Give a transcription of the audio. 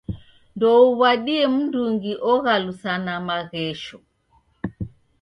Ndouw'adie mndungi oghalusana maghesho.